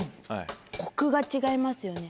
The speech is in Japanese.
コクが違いますよね。